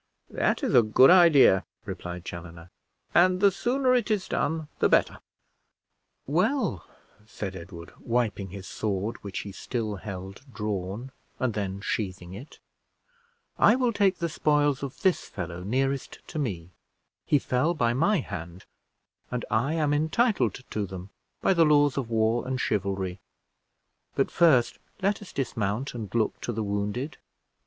"That is a good idea," replied Chaloner, "and the sooner it is done the better." "Well," said Edward, wiping his sword, which he still held drawn, and then sheathing it, "I will take the spoils of this fellow nearest to me: he fell by my hand, and I am entitled to them by the laws of war and chivalry; but first, let us dismount and look to the wounded."